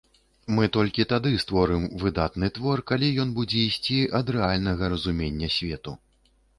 Мы толькі тады створым выдатны твор, калі ён будзе ісці ад рэальнага разумення свету.